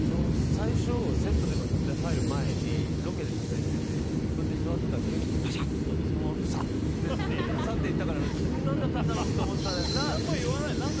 最初、セットでの撮影に入る前にロケで撮影してて座ってたら急に来てパシャって撮ってサッて行ったから何だったんだろう？って思ってたら。